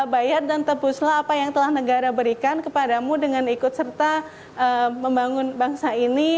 bayar dan tebuslah apa yang telah negara berikan kepadamu dengan ikut serta membangun bangsa ini